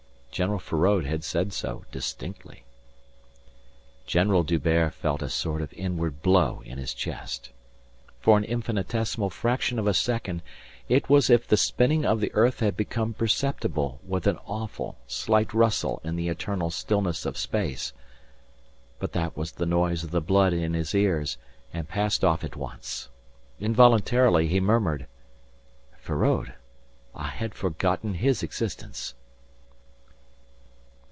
General Feraud had said so distinctly. General D'Hubert felt a sort of inward blow in his chest. For an infinitesimal fraction of a second it was as if the spinning of the earth had become perceptible with an awful, slight rustle in the eternal stillness of space. But that was the noise of the blood in his ears and passed off at once. Involuntarily he murmured: "Feraud! I had forgotten his existence."